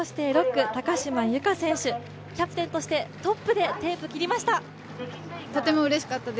６区、高島由香選手、キャプテンとしてトップでテープを切りました。